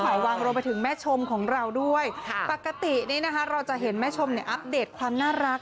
รวมไปถึงแม่ชมของเราด้วยปกติเราจะเห็นแม่ชมอัปเดตความน่ารัก